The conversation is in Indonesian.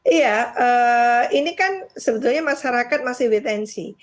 iya ini kan sebetulnya masyarakat masih wetensi